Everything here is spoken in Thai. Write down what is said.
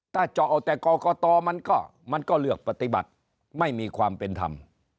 ถ้าเจาะเอาแต่กรกตมันก็เลือกปฏิบัติไม่มีความเป็นธรรม